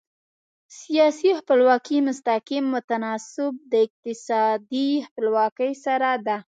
سیاسي خپلواکي مستقیم متناسب د اقتصادي خپلواکي سره ده.